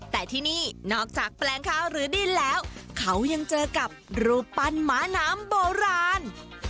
แต่ที่นี่นอกจากแปลงข้าวหรือดินแล้วเขายังเจอกับรูปปั้นหมาน้ำโบราณ